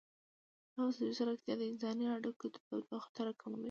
ایا مصنوعي ځیرکتیا د انساني اړیکو تودوخه نه راکموي؟